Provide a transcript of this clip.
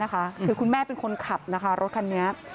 คือคุณแม่เป็นคนขับรถคันนี้